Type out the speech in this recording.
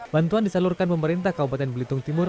bantuan disalurkan pemerintah kabupaten belitung timur